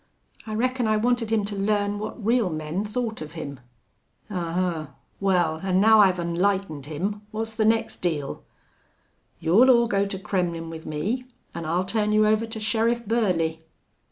"I reckon I wanted him to learn what real men thought of him." "Ahuh! Wal, an' now I've onlightened him, what's the next deal?" "You'll all go to Kremmlin' with me an' I'll turn you over to Sheriff Burley."